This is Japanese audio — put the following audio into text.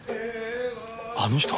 あの人